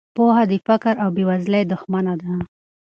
پوهه د فقر او بې وزلۍ دښمنه ده.